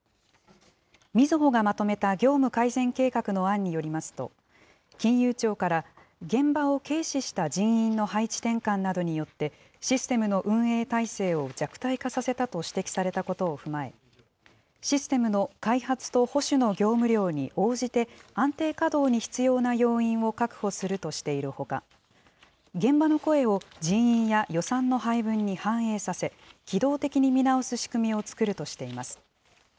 みずほがまとめた業務改善計画の案によりますと、金融庁から、現場を軽視した人員の配置転換などによって、システムの運営態勢を弱体化させたと指摘されたことを踏まえ、システムの開発と保守の業務量に応じて、安定稼働に必要な要員を確保するとしているほか、現場の声を人員や予算の配分に反映させ、機動的に見直す仕組みを作るとしています。